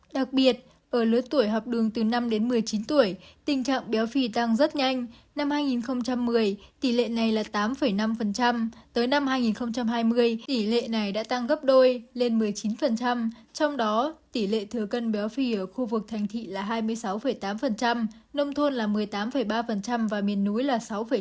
đặc biệt ở lứa tuổi học đường từ năm đến một mươi chín tuổi tình trạng béo phì tăng rất nhanh năm hai nghìn một mươi tỷ lệ này là tám năm tới năm hai nghìn hai mươi tỷ lệ này đã tăng gấp đôi lên một mươi chín trong đó tỷ lệ thừa cân béo phì ở khu vực thành thị là hai mươi sáu tám nông thôn là một mươi tám ba và miền núi là sáu chín